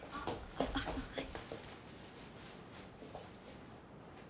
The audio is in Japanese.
あっはい。